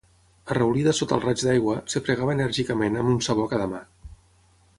Arraulida sota el raig d'aigua, es fregava enèrgicament amb un sabó a cada mà.